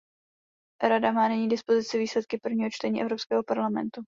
Rada má nyní k dispozici výsledky prvního čtení Evropského parlamentu.